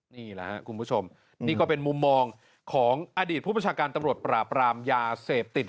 นี่แหละครับคุณผู้ชมนี่ก็เป็นมุมมองของอดีตผู้ประชาการตำรวจปราบรามยาเสพติด